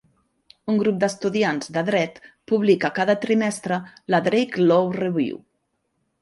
Un grup d'estudiants de Dret publica cada trimestre la Drake Law Review.